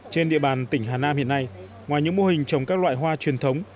trên địa bàn tỉnh hà nam hiện nay ngoài những mô hình trồng các loại hoa truyền thống